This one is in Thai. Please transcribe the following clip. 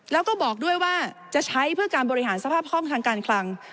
แล้วก็บอกด้วยว่าจะใช้เพื่อการบริหารสภาพห้องทางการคลัง